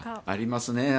ありますね。